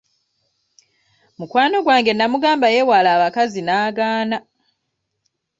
Mukwano gwange nnamugamba yeewale abakazi n'agaana.